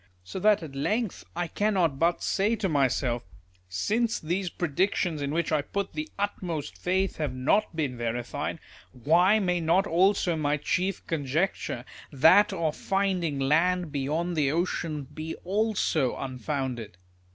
So that at length I cannot I40 DIALOGUE BETWEEN but say to myself, " Since these predictions in wliich I put the utmost faith have not been verified, why may not also my chief conjecture, that of finding land beyond the ocean, be also unfounded